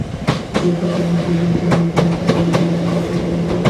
Europe তার দরজা খুলে দিয়েছিল আমার জন্য, তবে আমি যেমনভাবে ভেবেছিলাম তেমনভাবে নয়।